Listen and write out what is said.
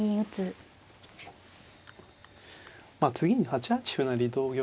まあ次に８八歩成同玉